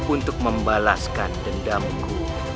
untuk membalaskan dendamku